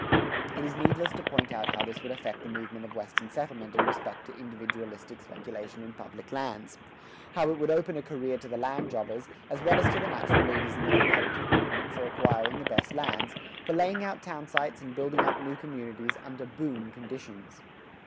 It is needless to point out how this would affect the movement of Western settlement in respect to individualistic speculation in public lands; how it would open a career to the land jobbers, as well as to the natural leaders in the competitive movement for acquiring the best lands, for laying out town sites and building up new communities under "boom" conditions.